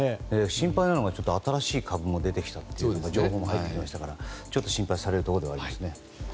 心配なのが新しい株も出てきたという情報も入ってきましたから心配されるところではあります。